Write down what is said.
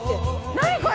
何これ？